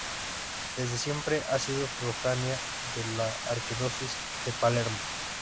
Desde siempre ha sido sufragánea de la arquidiócesis de Palermo.